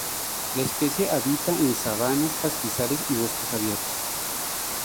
La especie habita en sabanas, pastizales y bosques abiertos.